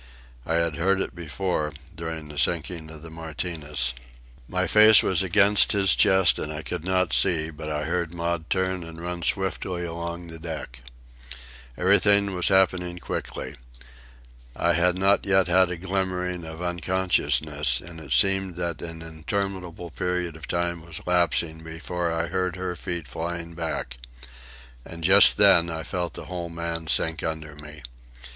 I had heard it before, during the sinking of the Martinez. My face was against his chest and I could not see, but I heard Maud turn and run swiftly away along the deck. Everything was happening quickly. I had not yet had a glimmering of unconsciousness, and it seemed that an interminable period of time was lapsing before I heard her feet flying back. And just then I felt the whole man sink under me.